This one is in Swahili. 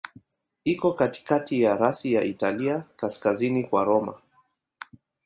Iko katikati ya rasi ya Italia, kaskazini kwa Roma.